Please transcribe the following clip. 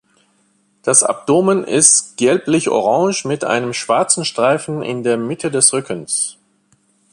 Das Abdomen ist gelblich orange mit einem schwarzen Streifen in der Mitte des Rückens.